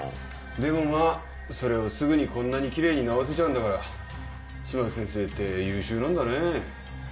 「でもまあそれをすぐにこんなに奇麗に治せちゃうんだから島津先生って優秀なんだね」